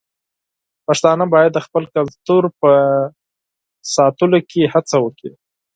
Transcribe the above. پښتانه بايد د خپل کلتور په ساتلو کې هڅه وکړي.